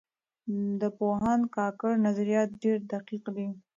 د پوهاند کاکړ نظریات ډېر دقیق دي.